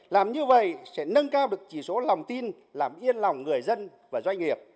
làm như vậy sẽ nâng cao được chỉ số lòng tin làm yên lòng người dân và doanh nghiệp